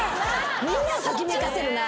みんなときめかせるな。